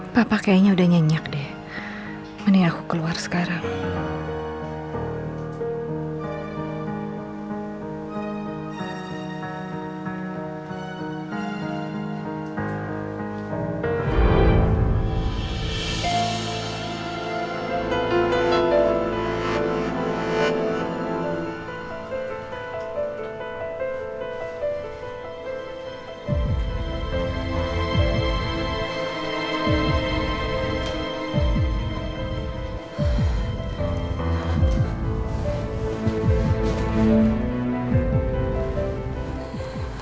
sampai jumpa di video selanjutnya